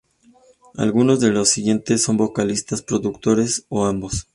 Algunos del siguientes son vocalistas, productores, o ambos.